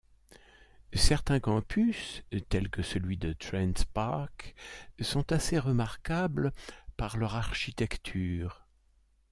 Certains campus, tels que celui de Trent Park, sont assez remarquable par leur architecture.